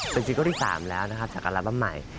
เป็นซิงเกิลที่๓แล้วนะครับจากอัลบั้มใหม่